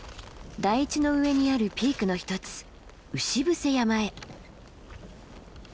台地の上にあるピークの一つ牛伏山へ。